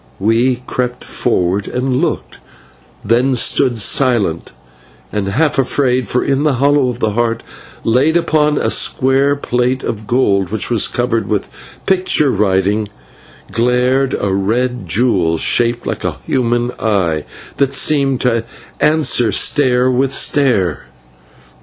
We crept forward and looked, then stood silent and half afraid, for in the hollow of the heart, laid upon a square plate of gold which was covered with picture writing, glared a red jewel shaped like a human eye, that seemed to answer stare with stare.